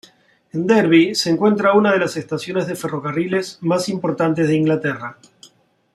En Derby se encuentra una de las estaciones de ferrocarriles más importantes de Inglaterra.